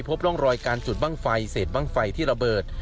พบร่องรอยการจุดบ้างไฟเศษบ้างไฟที่ระเบิด